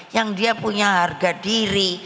yang dia punya harga diri